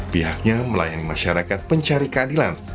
pihaknya melayani masyarakat pencari keadilan